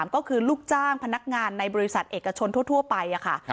ก็คือลูกจ้างพนักงานในบริษัทเอกชนทั่วไปค่ะ